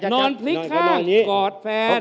นอนพลิกข้างกอดแฟน